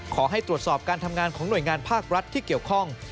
ขอให้ตรวจสอบการทำงานของหน่วยงานภาครัฐที่เกี่ยวข้อง